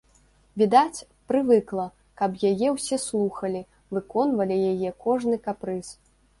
Відаць, прывыкла, каб яе ўсе слухалі, выконвалі яе кожны капрыз.